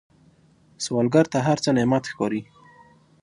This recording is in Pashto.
سوالګر ته هر څه نعمت ښکاري